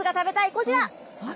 こちら。